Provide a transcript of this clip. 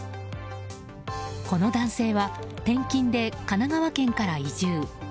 この男性は転勤で神奈川県から移住。